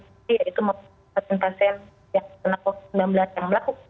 ya itu maksudnya pasien pasien